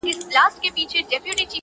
• ځکه پاته جاویدانه افسانه سوم..